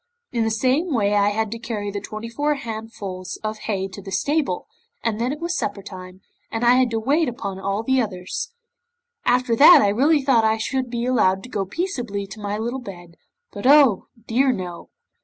In the same way I had to carry the twenty four handfuls of hay to the stable, and then it was supper time, and I had to wait upon all the others. After that I really thought I should be allowed to go peaceably to my little bed, but, oh dear no!